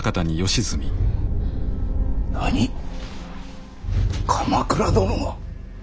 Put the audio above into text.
何鎌倉殿が。